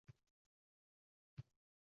Bu duolar ularga foyda keltirishini